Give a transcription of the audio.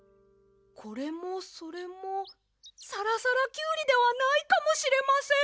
これもそれもさらさらキュウリではないかもしれません！